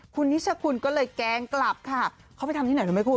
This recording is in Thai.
คุณนิชคุณก็เลยแกล้งกลับค่ะเขาไปทำที่ไหนรู้ไหมคุณ